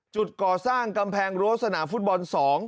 จุดก่อสร้างกำแพงรั้วสนามฟุตบอล๒